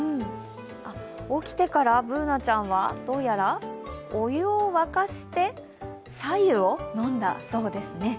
起きてからＢｏｏｎａちゃんは、どうやらお湯を沸かしてさ湯を飲んだそうですね。